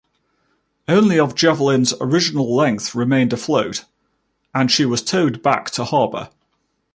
Only of "Javelin"s original length remained afloat and she was towed back to harbour.